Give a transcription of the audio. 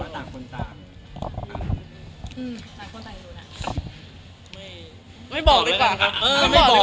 เรียกงานไปเรียบร้อยแล้ว